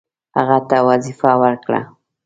هغه ته وظیفه ورکړه.